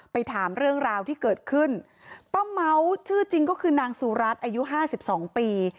ไปถามเรื่องราวที่เกิดขึ้นป้าเม้าชื่อจริงก็คือนางสุรัตน์อายุห้าสิบสองปี